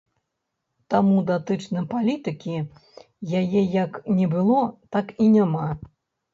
Таму, датычна палітыкі, яе як не было, так і няма.